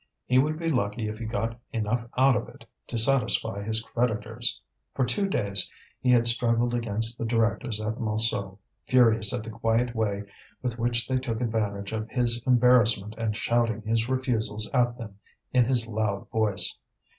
He would be lucky if he got enough out of it to satisfy his creditors. For two days he had struggled against the directors at Montsou, furious at the quiet way with which they took advantage of his embarrassment and shouting his refusals at them in his loud voice.